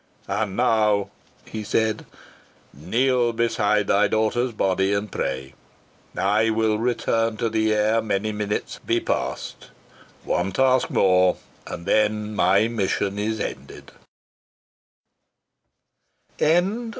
"And now," he said, "kneel beside thy daughter's body and pray. I will return to thee ere many minutes be passed. One task more, and then my mission is ended."